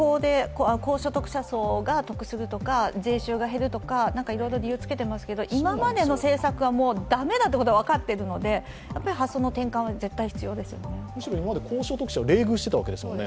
高所得者数が得するとか税収が減るとかいろいろ理由つけてますけど今までの政策は駄目だっていうことが分かっているのでむしろ今まで高所得者を冷遇していましたよね。